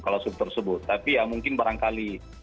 kalusub tersebut tapi ya mungkin barangkali